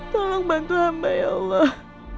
tolong bantu hamba ya allah